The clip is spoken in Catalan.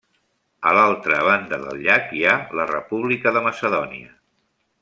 A l'altra banda del llac hi ha la República de Macedònia.